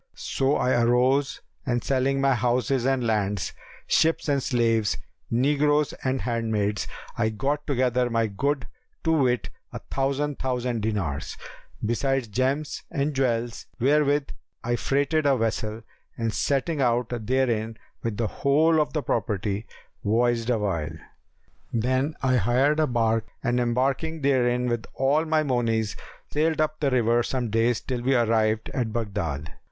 So I arose and selling my houses and lands, ships and slaves, negroes and handmaids, I got together my good, to wit, a thousand thousand dinars, besides gems and jewels, wherewith I freighted a vessel and setting out therein with the whole of the property, voyaged awhile. Then I hired a barque and embarking therein with all my monies sailed up the river some days till we arrived at Baghdad.